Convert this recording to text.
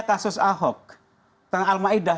kasus ahok tentang almaidah